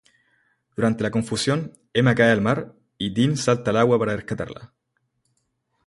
Durante la confusión, Emma cae al mar y Dean salta al agua para rescatarla.